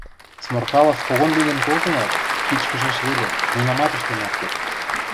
Сморкалов когон лӱдӹн колтенӓт, кичкӹжеш веле, нимамат ӹштен ак керд.